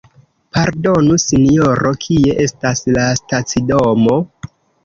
Pardonu sinjoro, kie estas la stacidomo?